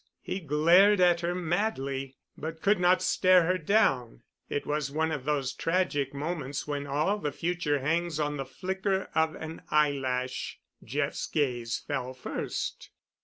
He glared at her madly, but could not stare her down. It was one of those tragic moments when all the future hangs on the flicker of an eyelash. Jeff's gaze fell first.